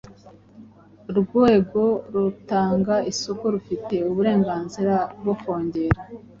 urwego rutanga isoko rufite uburenganzira bwo kongera,